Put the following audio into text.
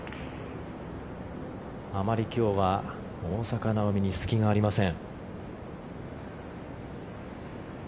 あまり今日は大坂なおみに隙がありません。